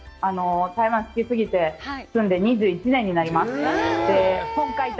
台湾が好き過ぎて、住んで２１年になります。